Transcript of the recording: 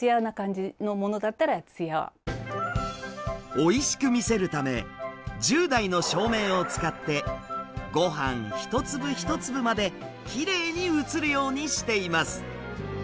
おいしく見せるため１０台の照明を使ってごはん一粒一粒まできれいに映るようにしています。